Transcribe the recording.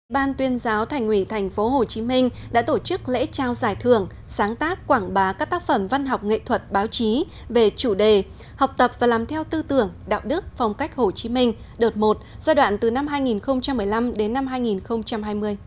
ban tuyên giáo thành ủy tp hcm đã tổ chức lễ trao giải thưởng sáng tác quảng bá các tác phẩm văn học nghệ thuật báo chí về chủ đề học tập và làm theo tư tưởng đạo đức phong cách hồ chí minh đợt một giai đoạn từ năm hai nghìn một mươi năm đến năm hai nghìn hai mươi